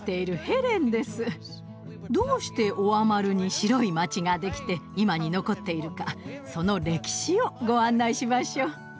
どうしてオアマルに白い街ができて今に残っているかその歴史をご案内しましょう。